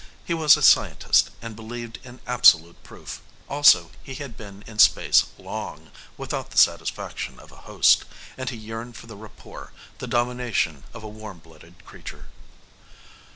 He was a scientist and believed in absolute proof. Also, he had been in space long without the satisfaction of a host and he yearned for the rapport, the domination of a warm blooded creature.